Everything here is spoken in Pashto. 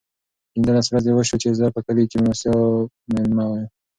پینځلس ورځې وشوې چې زه په کلي کې د مېلمستیاوو مېلمه یم.